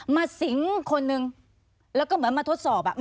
สิงคนนึงแล้วก็เหมือนมาทดสอบ